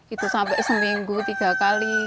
itu sampai seminggu tiga kali